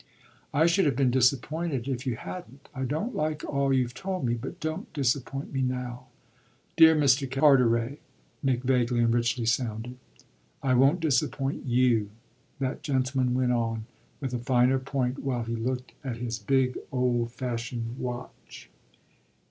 "I should have been disappointed if you hadn't. I don't like all you've told me. But don't disappoint me now." "Dear Mr. Carteret!" Nick vaguely and richly sounded. "I won't disappoint you," that gentleman went on with a finer point while he looked at his big old fashioned watch.